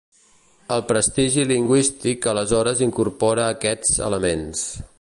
El prestigi lingüístic aleshores incorpora aquests elements.